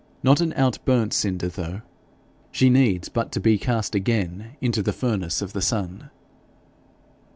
Not an out burnt cinder, though! she needs but to be cast again into the furnace of the sun.